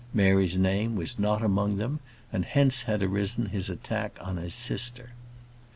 Mary's name was not among them, and hence had arisen his attack on his sister.